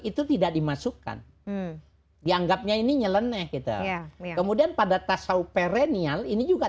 itu tidak dimasukkan dianggapnya ini nyeleneh gitu kemudian pada tasawuf perennial ini juga